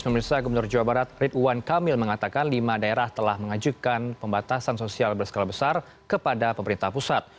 pemerintah gubernur jawa barat ridwan kamil mengatakan lima daerah telah mengajukan pembatasan sosial berskala besar kepada pemerintah pusat